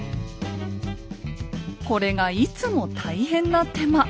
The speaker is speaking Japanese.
これがいつも大変な手間。